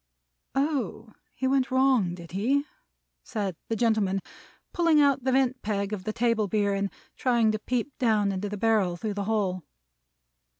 "Oh! he went wrong, did he?" said the gentleman, pulling out the vent peg of the table beer, and trying to peep down into the barrel through the hole.